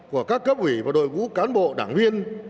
của các cấp ủy và đội ngũ cán bộ đảng viên